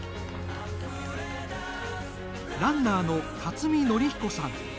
ランナーの勝見紀彦さん。